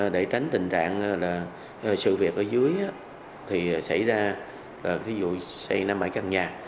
để tránh tình trạng sự việc ở dưới thì xảy ra vụ xây năm căn nhà